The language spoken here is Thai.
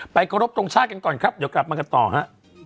ขอรบตรงชาติกันก่อนครับเดี๋ยวกลับมากันต่อฮะ